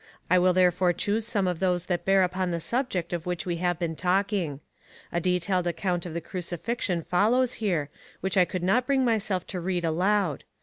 I will therefore choose some of those that bear upon the subject of which we have been talking. A detailed account of the crucifixion follows here, which I could not bring myself to read aloud.